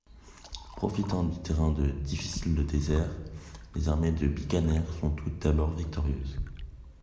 Profitant du terrain difficile du désert, les armées de Bikaner sont tout d'abord victorieuses.